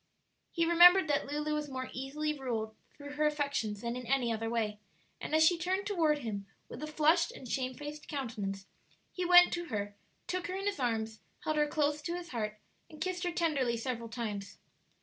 He remembered that Lulu was more easily ruled through her affections than in any other way, and as she turned toward him, with a flushed and shamefaced countenance, he went to her, took her in his arms, held her close to his heart, and kissed her tenderly several times.